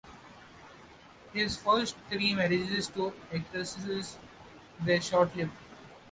His first three marriages to actresses were short-lived.